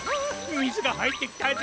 みずがはいってきたぞ！